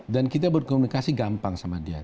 dan kita berkomunikasi gampang sama dia